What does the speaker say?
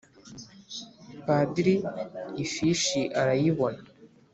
Padri Ifishi arayibona